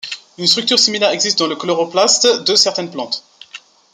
Une structure similaire existe dans le chloroplaste de certaines plantes.